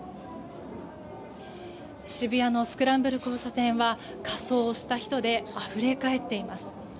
渋谷のスクランブル交差点は仮装をした人であふれ返っています。